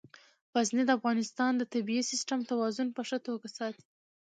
غزني د افغانستان د طبعي سیسټم توازن په ښه توګه ساتي.